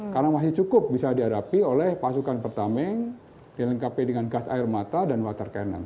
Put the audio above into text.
karena masih cukup bisa dihadapi oleh pasukan pertameng dilengkapi dengan gas air mata dan water cannon